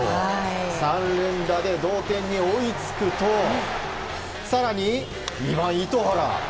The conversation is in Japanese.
３連打で同点に追いつくと更に２番、糸原。